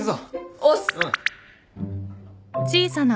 おっす。